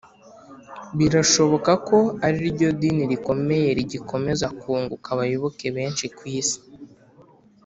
birashoboka ko ari ryo dini rikomeye rigikomeza kunguka abayoboke benshi ku isi,